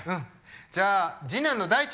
じゃあ次男の大ちゃん！